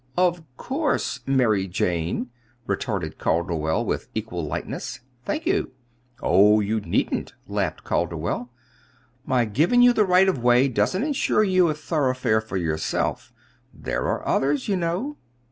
"Of course 'Mary Jane,'" retorted Calderwell, with equal lightness. "Thank you." "Oh, you needn't," laughed Calderwell. "My giving you the right of way doesn't insure you a thoroughfare for yourself there are others, you know.